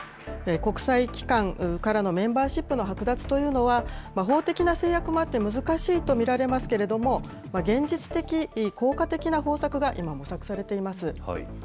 国際機関からのメンバーシップの剥奪というのは、法的な制約もあって難しいと見られますけれども、現実的・効果的な方策が、今、模索されています。